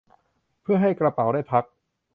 เพื่อให้กระเป๋าได้พัก